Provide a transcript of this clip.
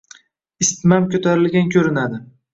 Isitmam ko'tarilgan ko'rinadi.